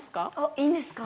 ◆いいんですか？